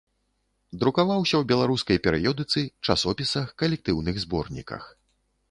Друкаваўся ў беларускай перыёдыцы, часопісах, калектыўных зборніках.